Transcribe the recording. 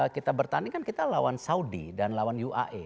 kita bertanding kan kita lawan saudi dan lawan uae